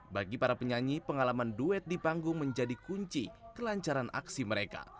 bagi para penyanyi pengalaman duet di panggung menjadi kunci kelancaran aksi mereka